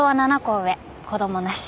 子供なし。